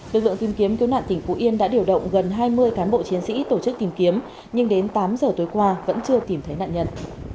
lực lượng tìm kiếm cứu nạn tỉnh phú yên đã điều động gần hai mươi cán bộ chiến sĩ tổ chức tìm kiếm nhưng đến tám giờ tối qua vẫn chưa tìm thấy nạn nhân